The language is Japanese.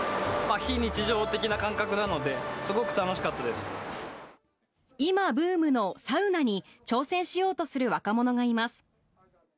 非日常的な感覚なので、今ブームのサウナに挑戦しようとする若者がいます。